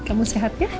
kamu sehat ya